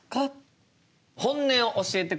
本音を教えてください。